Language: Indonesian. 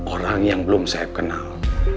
orang yang belum saya kenal